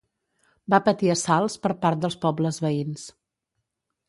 Va patir assalts per part dels pobles veïns.